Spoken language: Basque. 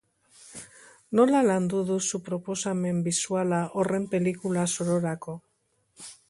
Nola landu duzu proposamen bisuala horren pelikula zororako?